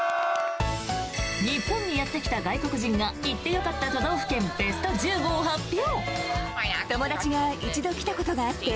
日本にやってきた外国人が行ってよかった都道府県ベスト１５を発表！